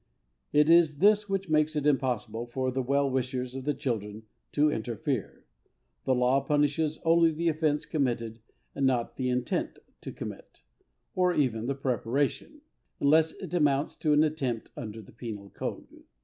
"It is this which makes it impossible for the well wishers of the children to interfere. ... The law punishes only the offence committed and not the intent to commit, or even the preparation, unless it amounts to an attempt under the Penal Code."